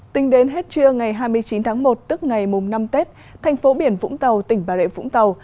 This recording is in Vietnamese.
tính đến hết trưa ngày hai mươi chín tháng một tức ngày mùng năm tết thành phố biển vũng tàu tỉnh bà rịa vũng tàu